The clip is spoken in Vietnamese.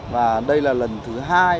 và đây là lần thứ hai